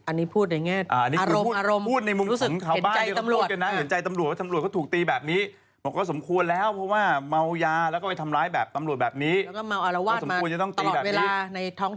อันนี้พูดในแง่อารมณ์อารมณ์